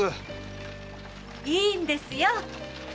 〔いいんですよ。